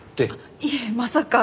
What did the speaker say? いえまさか。